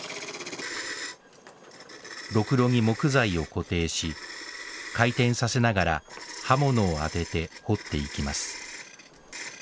ろくろに木材を固定し回転させながら刃物を当てて彫っていきます。